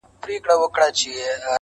همېشه ورسره تلله په ښكارونو!!